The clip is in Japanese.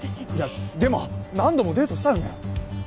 いやでも何度もデートしたよね？